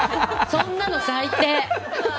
そんなの最低。